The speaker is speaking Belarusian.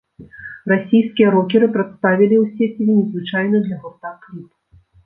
Расійскія рокеры прадставілі ў сеціве незвычайны для гурта кліп.